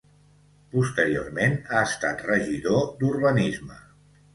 Posteriorment ha estat regidor d'urbanisme.